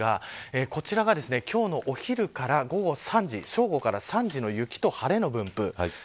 こちらが今日のお昼から午後３時正午から３時の雪と晴れの分布です。